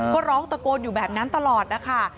ก็ร้องตะโกนอยู่แบบนั้นตลอดนะคะ